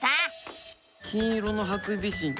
金色のハクビシン